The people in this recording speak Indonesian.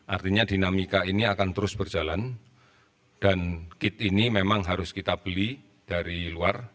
artinya dinamika ini akan terus berjalan dan kit ini memang harus kita beli dari luar